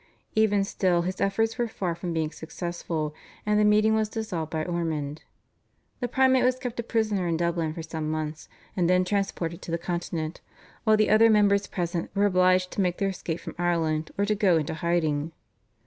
Even still his efforts were far from being successful, and the meeting was dissolved by Ormond. The primate was kept a prisoner in Dublin for some months, and then transported to the Continent, while the other members present were obliged to make their escape from Ireland or to go into hiding.